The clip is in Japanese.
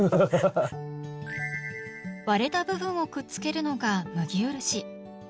割れた部分をくっつけるのが「麦漆」。